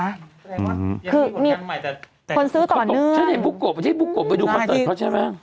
ยังมีผลงานใหม่แต่คนซื้อต่อเนื่องที่พูโกไปที่พูโกไปดูคอนเสิร์ตเขาใช่ไหม